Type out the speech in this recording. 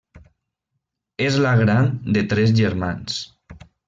És la gran de tres germans.